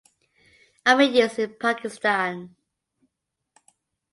Armenians in Pakistan